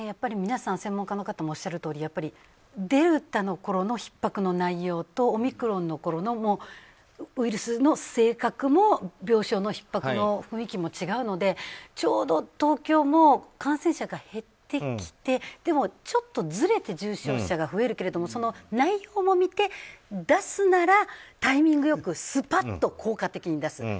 皆さん、専門家の方もおっしゃるとおりやっぱりデルタのころのひっ迫の内容とオミクロンのころのウイルスの性格も病床のひっ迫の雰囲気も違うのでちょうど東京も感染者が減ってきてでもちょっとずれて重症者が増えるけれどもその内容も見て出すならタイミングよくスパッと効果的に出す。